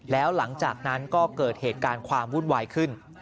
แล้วหลังจากนั้นก็เกิดเหตุการณ์ความวุ่นวายขึ้น